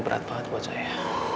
berat banget buat saya